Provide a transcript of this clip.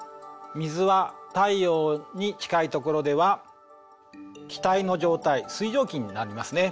水は太陽に近いところでは気体の状態水蒸気になりますね。